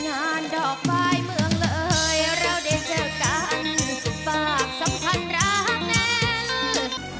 ดอกไม้เมืองเอ่ยเราได้เจอกันฝากสัมพันธ์รักแน่น